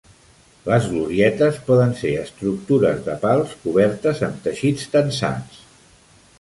Les glorietes poden ser estructures de pals cobertes amb teixits tensats.